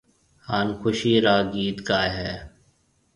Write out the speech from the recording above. هانَ خُوشِي را گِيت گائي هيَ۔